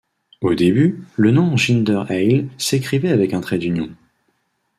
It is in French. Au début, le nom Ginder-Ale s'écrivait avec un trait d'union.